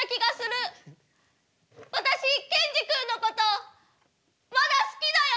私ケンジ君のことまだ好きだよ！